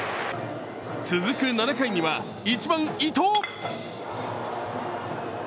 続く７回には１番・伊藤。